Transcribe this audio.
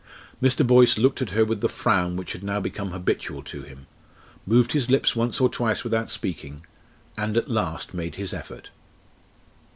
Mr. Boyce looked at her with the frown which had now become habitual to him, moved his lips once or twice without speaking; and at last made his effort.